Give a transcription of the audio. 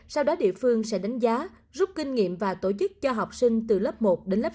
sau đó địa phương sẽ đánh giá rút kinh nghiệm và tổ chức cho học sinh từ lớp một đến lớp năm